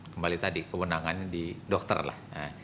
kembali tadi kewenangannya di dokter lah